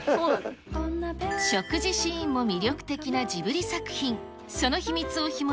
食事シーンも魅力的なジブリ作品。